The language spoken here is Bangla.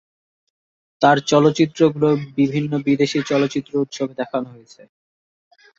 তার চলচ্চিত্রগুলো বিভিন্ন বিদেশি চলচ্চিত্র উৎসবে দেখানো হয়েছে।